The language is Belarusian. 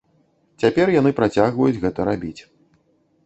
Цяпер яны працягваюць гэта рабіць.